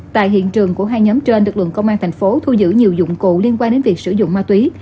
tại hiện trường của hai nhóm trên lực lượng công an thành phố thu giữ nhiều dụng cụ liên quan đến việc sử dụng ma túy